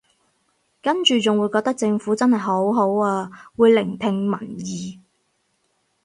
跟住仲會覺得政府真係好好啊會聆聽民意